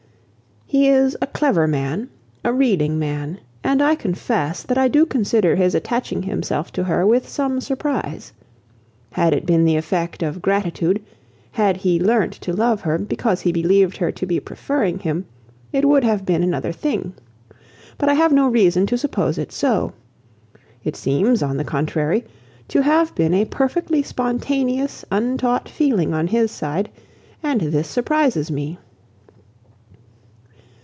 He is a clever man, a reading man; and I confess, that I do consider his attaching himself to her with some surprise. Had it been the effect of gratitude, had he learnt to love her, because he believed her to be preferring him, it would have been another thing. But I have no reason to suppose it so. It seems, on the contrary, to have been a perfectly spontaneous, untaught feeling on his side, and this surprises me.